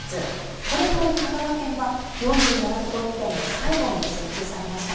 これにより香川県は、４７都道府県で最後に設置されました。